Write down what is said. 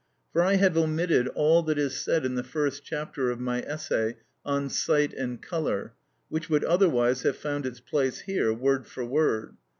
For I have omitted all that is said in the first chapter of my essay "On Sight and Colour," which would otherwise have found its place here, word for word.